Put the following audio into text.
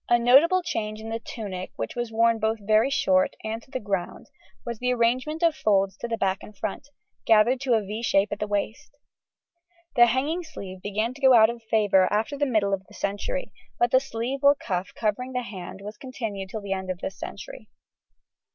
] The notable change in the tunic, which was worn both very short and to the ground, was the arrangement of folds to the back and front, gathered to a =V= shape at the waist. The hanging sleeve began to go out of favour after the middle of the century, but the sleeve or cuff covering the hand was continued till the end of this century.